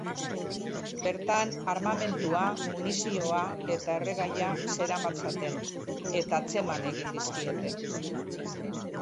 Bertan armamentua, munizioa eta erregaia zeramatzaten eta atzeman egin dizkiete.